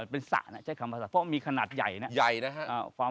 เป็นสะใช้คำว่าสะเพราะมีขนาดใหญ่นะ